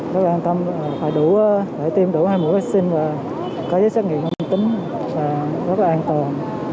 rất an tâm phải tiêm đủ hai mũi vaccine và có giấy xét nghiệm âm tính rất là an toàn